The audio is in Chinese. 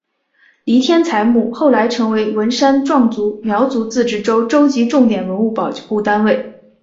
黎天才墓后来成为文山壮族苗族自治州州级重点文物保护单位。